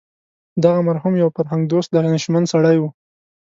دغه مرحوم یو فرهنګ دوست دانشمند سړی و.